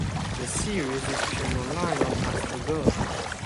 The series is streaming online on Astro Go.